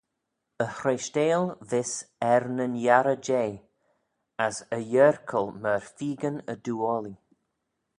E hreishteil vees er ny yiarey jeh, as e yerkal myr feegan y doo-oallee.